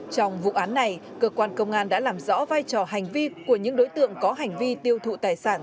trong vụ án này cơ quan công an đã làm rõ vai trò hành vi của những đối tượng có hành vi tiêu thụ tài sản